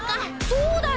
そうだよ！